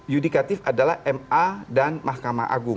yudikatif adalah ma dan mahkamah agung